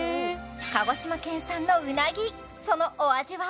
鹿児島県産のうなぎそのお味は？